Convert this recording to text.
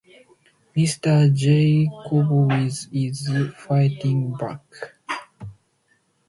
Mr. Jacobowitz is fighting back.